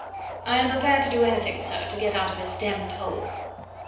"I am prepared to do anything, sir, to get out of this d d hole."